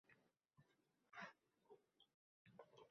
havoda tobora sekin va sekin sirg‘andi.